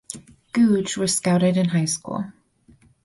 Googe was scouted in high school.